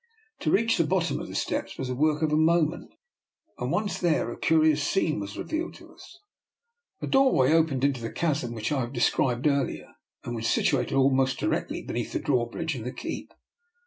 To reach the bottom of the steps was the work of a moment, and once there a curious scene was revealed to us. The doorway opened into the chasm which I have described earlier, and was situated almost directly be neath the drawbridge and the keep.